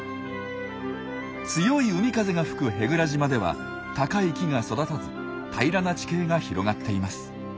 強い海風が吹く舳倉島では高い木が育たず平らな地形が広がっています。